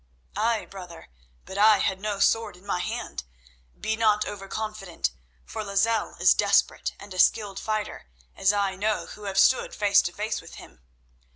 "Ay, brother, but I had no sword in my hand. Be not over confident, for Lozelle is desperate and a skilled fighter, as I know who have stood face to face with him.